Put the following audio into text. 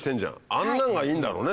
あんなんがいいんだろうね。